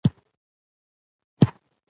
په سل هاوو زره احادیث جعل سوي وه.